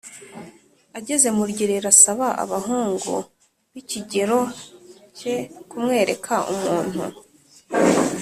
Ageze mu rugerero asaba abahungu b'ikigero ke kumwereka umuntu